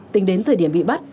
tính đến thời điểm bị bắt